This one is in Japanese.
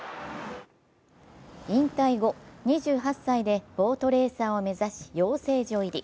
引退後、２８歳でボートレーサーを目指し養成所入り。